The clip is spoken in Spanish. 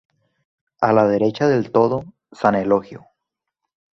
A la derecha del todo, san Eligio.